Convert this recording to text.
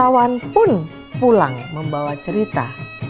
dan wisatawan pun pulang membawa cerita